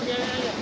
oh biarin aja